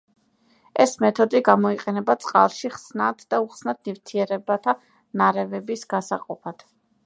ეს მეთოდი გამოიყენება წყალში ხსნად და უხსნად ნივთიერებათა ნარევების გასაყოფად.